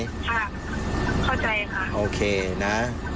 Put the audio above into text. ค่ะเข้าใจค่ะโอเคนะ